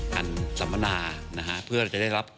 การสัมพนาเพื่อจะได้รับ